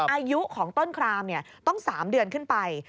อายุของต้นครามต้อง๓เดือนขึ้นไป